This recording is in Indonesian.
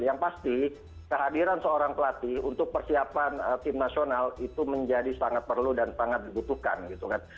yang pasti kehadiran seorang pelatih untuk persiapan tim nasional itu menjadi sangat perlu dan sangat dibutuhkan gitu kan